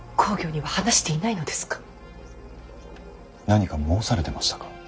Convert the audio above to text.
何か申されてましたか。